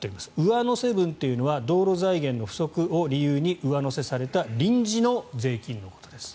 上乗せ分というのは道路財源の不足を理由に上乗せされた臨時の税金のことです。